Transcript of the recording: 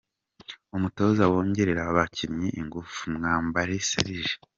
Umutoza wongerera abakinnyi ingufu: Mwambari Serge.